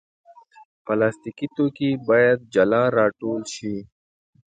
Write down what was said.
پلاستيکي توکي باید جلا راټول شي.